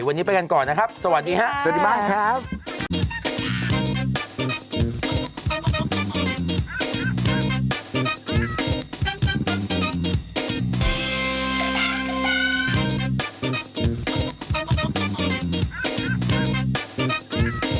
วันนี้ไปกันก่อนนะครับสวัสดีครับสวัสดีมากครับ